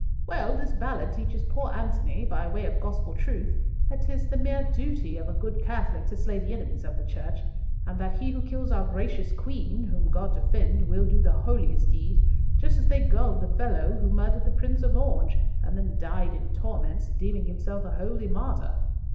Well, this Ballard teaches poor Antony, by way of gospel truth, that 'tis the mere duty of a good Catholic to slay the enemies of the church, and that he who kills our gracious Queen, whom God defend, will do the holiest deed; just as they gulled the fellow, who murdered the Prince of Orange, and then died in torments, deeming himself a holy martyr."